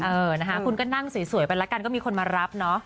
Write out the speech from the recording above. เออนะคะคุณก็นั่งสวยไปแล้วกันก็มีคนมารับเนอะ